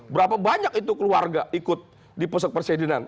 berapa banyak keluarga ikut di pusat pesedinan